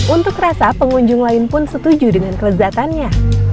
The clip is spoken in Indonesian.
untuk rasa pengunjung lain pun setuju dengan kelezatannya